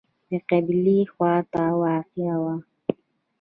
د قبلې خواته واقع و.